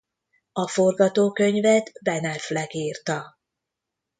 A forgatókönyvet Ben Affleck írta.